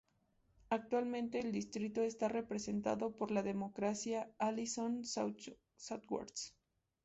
Actualmente el distrito está representado por la Demócrata Allyson Schwartz.